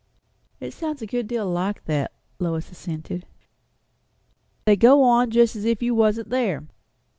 "It sounds a good deal like that," Lois assented. "They go on just as if you wasn't there!"